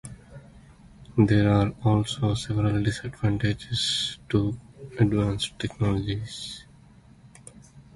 There are also several disadvantages to advanced technologies.